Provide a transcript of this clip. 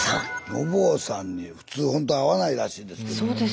のぼうさんに普通ほんと会わないらしいですけど。